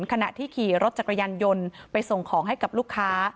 ขณะที่ขี่รถจักรยานยนต์ไปส่งของให้กับลูกค้า